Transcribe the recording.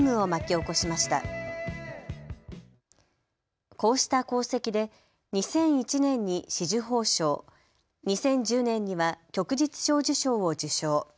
こうした功績で２００１年に紫綬褒章、２０１０年には旭日小綬章を受章。